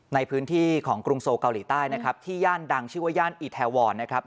ในพื้นที่ของกรุงโซเกาหลีใต้นะครับที่ย่านดังชื่อว่าย่านอีแทวรนะครับ